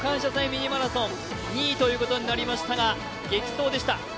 ミニマラソン２位となりましたが激走でした。